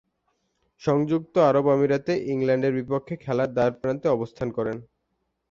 সংযুক্ত আরব আমিরাতে ইংল্যান্ডের বিপক্ষে খেলার দ্বারপ্রান্তে অবস্থান করেন।